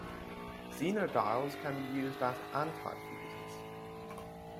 Zener diodes can be used as antifuses.